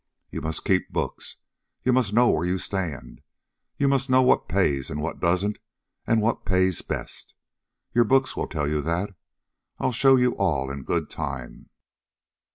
You must keep books. You must know where you stand. You must know what pays and what doesn't and what pays best. Your books will tell that. I'll show you all in good time."